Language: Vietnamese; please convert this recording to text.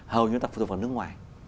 hầu như phụ thuộc vào nước ngoài